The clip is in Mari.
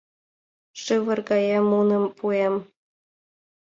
Шывыр гае муным пуэм.